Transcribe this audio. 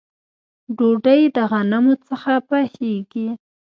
ډوډۍ د غنمو څخه پخیږي